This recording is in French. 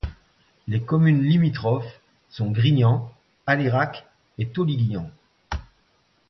Les communes limitrophes sont Grignan, Aleyrac et Taulignan.